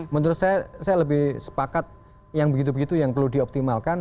menurut saya saya lebih sepakat yang begitu begitu yang perlu dioptimalkan